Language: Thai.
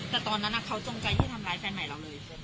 แต่ตอนนั้นเขาจงใจที่จะทำร้ายแฟนใหม่เราเลย